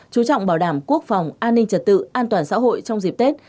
chú trọng bảo đảm quốc phòng an ninh trật tự an toàn xã hội trong dịp tết